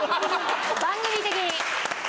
番組的に。